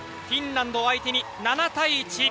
フィンランドを相手に７対１。